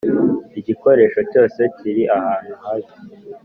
igikoresho cyose kiri ahantu habi